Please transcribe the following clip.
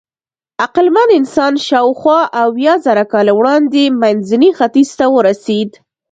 عقلمن انسان شاوخوا اویازره کاله وړاندې منځني ختیځ ته ورسېد.